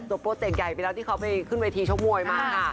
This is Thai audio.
ตัวโป้เจ่งใหญ่ไปแล้วที่เขาไปขึ้นวัยทีช่องมวยมาค่ะ